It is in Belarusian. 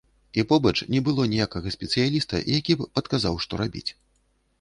І побач не было ніякага спецыяліста, які б падказаў, што рабіць.